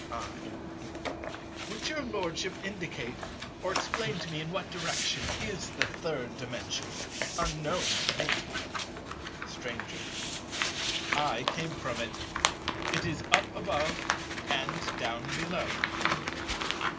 I. Would your Lordship indicate or explain to me in what direction is the Third Dimension, unknown to me? Stranger. I came from it. It is up above and down below.